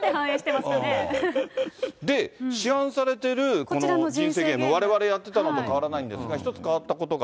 で、市販されているこちらの人生ゲーム、われわれやってたのと変わらないんですが、１つ変わったことが。